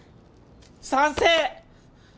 賛成！